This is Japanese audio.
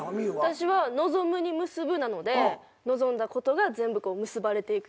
私は望むに結ぶなので望んだことが全部結ばれていくようにっていう意味。